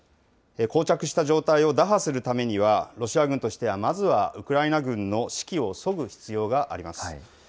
こう着した状態を打破するためには、ロシア軍としてはまずはウクライナ軍の士気をそぐ必要があります。